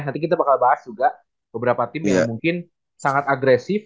nanti kita bakal bahas juga beberapa tim yang mungkin sangat agresif